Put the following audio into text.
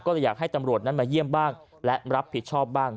ก็เลยอยากให้ตำรวจนั้นมาเยี่ยมบ้างและรับผิดชอบบ้าง